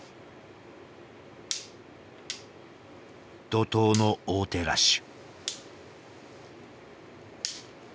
怒とうの王手ラッシュ。